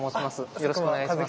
よろしくお願いします。